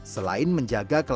selain menjaga kelahiran